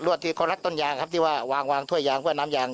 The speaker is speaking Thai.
ที่เขารักต้นยางครับที่ว่าวางวางถ้วยยางเพื่อน้ำยาง